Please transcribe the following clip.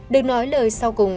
được nói lời sau cùng